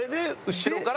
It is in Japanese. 後ろから？